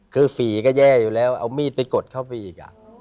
คือฝีก็แย่อยู่แล้วเอามีดไปกดเข้าไปอีก